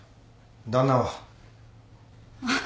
旦那は？